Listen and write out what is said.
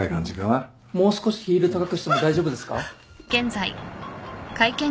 もう少しヒール高くしても大丈夫ですか？